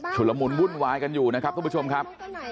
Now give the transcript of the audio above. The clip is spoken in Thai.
ละมุนวุ่นวายกันอยู่นะครับทุกผู้ชมครับ